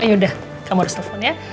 yaudah kamu harus telfon ya